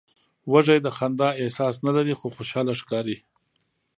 وزې د خندا احساس نه لري خو خوشاله ښکاري